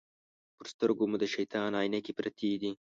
پر سترګو مو د شیطان عینکې پرتې دي.